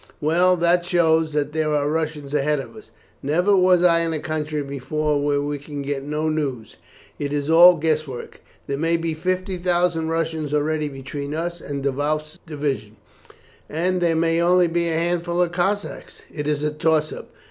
Well, that shows that there are Russians ahead of us. Never was I in a country before where we could get no news. It is all guess work. There may be 50,000 Russians already between us and Davoust's division, and there may be only a handful of Cossacks. It is a toss up.